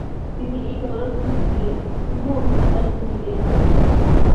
তিনি এই চলচ্চিত্রে সহ- অভিনেতার ভুমিকায় ছিলেন।